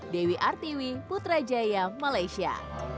dewi artiwi putrajaya malaysia